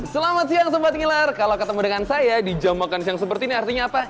selamat siang sempat ngilar kalau ketemu dengan saya di jam makan siang seperti ini artinya apa